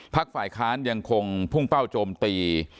ฝ่ายค้านยังคงพุ่งเป้าโจมตี